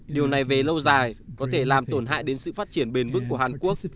điều này về lâu dài có thể làm tổn hại đến sự phát triển bền vững của hàn quốc